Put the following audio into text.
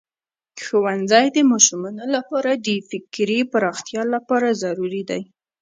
ښوونځی د ماشومانو لپاره د فکري پراختیا لپاره ضروری دی.